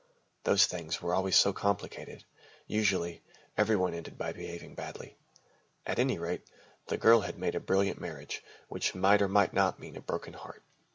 Those things were always so complicated. Usually, every one ended by behaving badly. At any rate, the girl had made a brilliant marriage, which might or might not mean a broken heart.